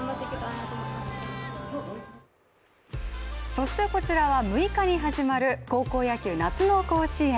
そして、こちらは６日に始まる高校野球・夏の甲子園。